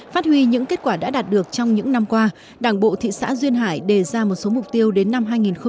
phát huy những kết quả đã đạt được trong những năm qua đảng bộ thị xã duyên hải đề ra một số mục tiêu đến năm hai nghìn hai mươi năm